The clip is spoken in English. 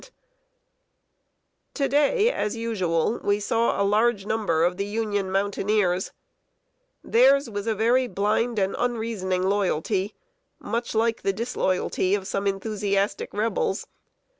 [Sidenote: BLIND AND UNQUESTIONING LOYALTY.] To day, as usual, we saw a large number of the Union mountaineers. Theirs was a very blind and unreasoning loyalty, much like the disloyalty of some enthusiastic Rebels.